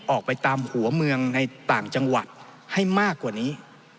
ออกไปตามหัวเมืองในต่างจังหวัดให้มากกว่านี้